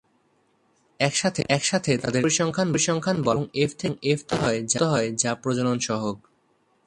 একসাথে, তাদের "এফ" পরিসংখ্যান বলা হয়, এবং "এফ" থেকে উদ্ভূত হয়, যা প্রজনন সহগ।